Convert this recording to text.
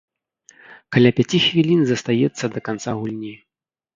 Каля пяці хвілін застаецца да канца гульні.